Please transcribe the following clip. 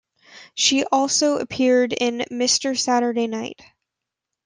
She also appeared in "Mr. Saturday Night".